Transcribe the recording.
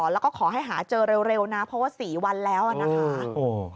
แล้วก็ขอให้หาเจอเร็วนะเพราะว่า๔วันแล้วนะคะ